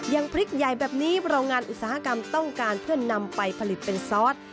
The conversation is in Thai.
อย่างพริกใหญ่แบบนี้โรงงานอุตสาหกรรมต้องการเพื่อนำไปผลิตเป็นซอส